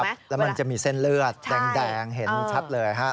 แล้วมันจะมีเส้นเลือดแดงเห็นชัดเลยฮะ